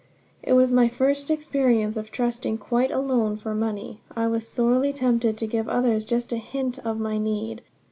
It was my first experience of trusting quite alone for money. I was sorely tempted to give others just a hint of my need.